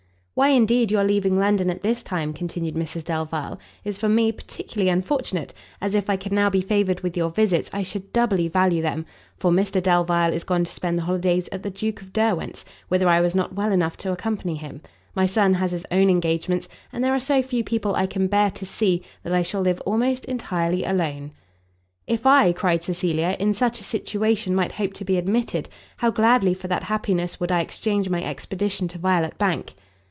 "Why indeed your leaving London at this time," continued Mrs Delvile, "is, for me, particularly unfortunate, as, if I could now be favoured with your visits, I should doubly value them; for Mr Delvile is gone to spend the holidays at the Duke of Derwent's, whither I was not well enough to accompany him; my son has his own engagements, and there are so few people I can bear to see, that I shall live almost entirely alone." "If I," cried Cecilia, "in such a situation might hope to be admitted, how gladly for that happiness would I exchange my expedition to Violet Bank!"